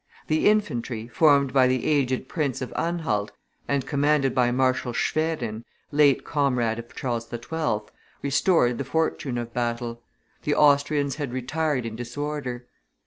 The infantry, formed by the aged Prince of Anhalt, and commanded by Marshal Schwerin, late comrade of Charles XII., restored the fortune of battle; the Austrians had retired in disorder.